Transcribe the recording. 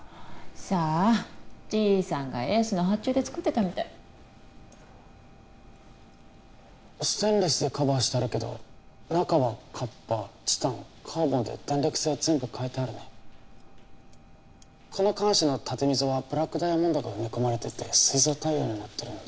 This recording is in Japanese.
さあじいさんがエースの発注で作ってたみたいステンレスでカバーしてあるけど中はカッパーチタンカーボンで弾力性を全部変えてあるねこの鉗子の縦溝はブラックダイヤモンドが埋め込まれててすい臓対応になってるんだ